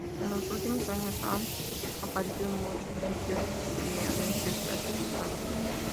En los últimos años han aparecido muchos sitios de anuncios clasificados.